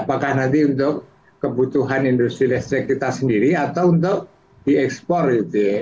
apakah nanti untuk kebutuhan industri listrik kita sendiri atau untuk diekspor gitu ya